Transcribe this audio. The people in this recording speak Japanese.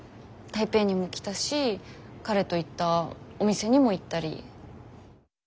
台北にも来たし彼と行ったお店にも行ったり。